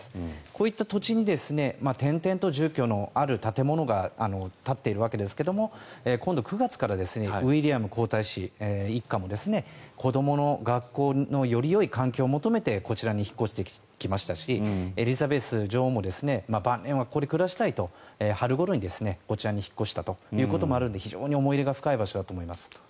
こういった土地に点々と住居のある建物が立っているわけですが今度、９月からウィリアム皇太子一家も子どもの学校のよりよい環境を求めてこちらに引っ越してきましたしエリザベス女王も晩年はここで暮らしたいと春ごろにこちらに引っ越したということもあるので非常に思い入れが深い場所だと思います。